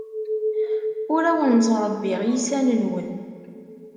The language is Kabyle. Ur awen-ttṛebbiɣ iysan-nwen.